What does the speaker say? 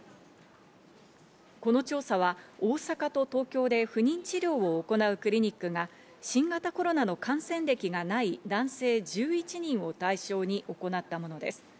この調査は大阪と東京で不妊治療を行うクリニックが新型コロナの感染歴がない男性１１人を対象に行ったものです。